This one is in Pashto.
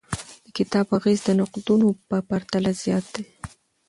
د کتاب اغیز د نقدونو په پرتله زیات دی.